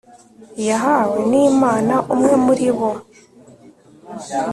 yahawe n Imana umwe muri bo